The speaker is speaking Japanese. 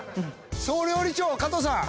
総料理長加藤さん